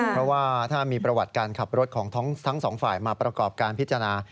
เพราะว่าถ้ามีประวัติการขับรถของทั้งสองฝ่ายมาประกอบการพิจารณา